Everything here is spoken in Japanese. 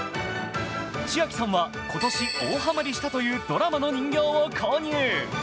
ちあきさんは今年、大ハマりしたというドラマの人形を購入。